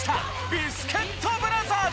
ビスケットブラザーズ。